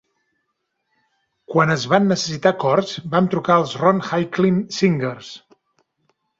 Quan es van necessitar cors, vam trucar els Ron Hicklin Singers.